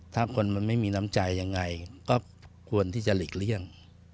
ถ้าคนมันไม่มีน้ำใจยังไงก็ควรที่จะหลีกเลี่ยง